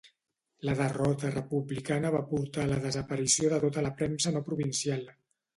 La derrota republicana va portar a la desaparició de tota la premsa no provincial